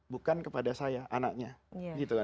bukan kepada saya anaknya gitu loh